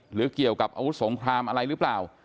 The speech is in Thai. หรือเกี่ยวกับอาวุธสงครามอะไรหรือเปล่า